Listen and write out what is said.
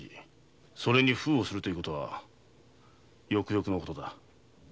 それに封をするという事はよくよくの事だ。